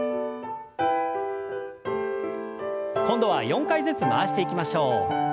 今度は４回ずつ回していきましょう。